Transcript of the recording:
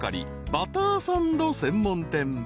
バターサンド専門店］